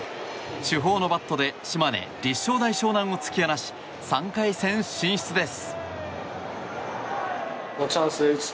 主砲のバットで島根・立正大淞南を突き放し３回戦進出です。